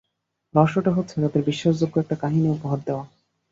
রহস্যটা হচ্ছে তাদের বিশ্বাসযোগ্য একটা কাহিনী উপহার দেওয়া।